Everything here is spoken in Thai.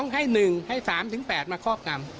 ๒ให้๑ให้๓ถึง๘มาครอบงำ